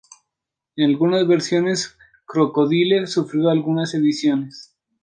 En algunas versiones, Crocodile sufrió algunas ediciones.